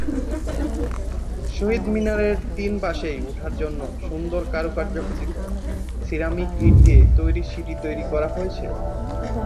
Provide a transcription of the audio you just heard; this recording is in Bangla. শহীদ মিনারের তিন পাশেই উঠার জন্য সুন্দর কারুকার্য খচিত সিরামিক ইট দিয়ে তৈরি সিঁড়ি তৈরি করা হয়েছে।